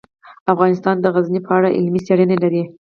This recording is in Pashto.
افغانستان د غزني په اړه علمي څېړنې لري.